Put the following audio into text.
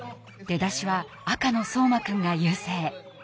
出だしは赤の壮眞くんが優勢。